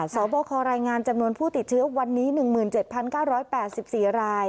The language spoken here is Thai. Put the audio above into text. สอบคอรายงานจำนวนผู้ติดเชื้อวันนี้๑๗๙๘๔ราย